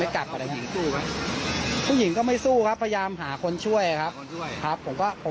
ใช่ก็อาจจะมีหึง